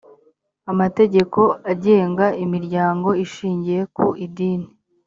amategeko agenga imiryango ishingiye ku idini